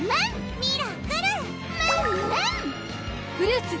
フルーツ！